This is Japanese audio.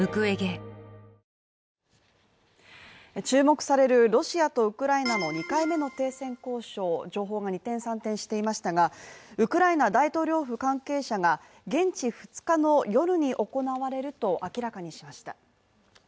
注目されるロシアとウクライナの２回目の停戦交渉情報が二転三転していましたがウクライナ大統領府関係者が現地２日の夜に行われると明らかにしました。